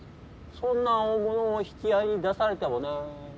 そんな大物を引き合いに出されてもね。